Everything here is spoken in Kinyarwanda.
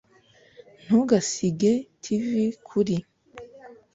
ntugasige tv kuri